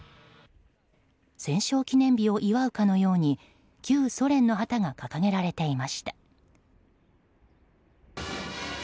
戦勝記念日を祝うかのように旧ソ連の旗が掲げられていました。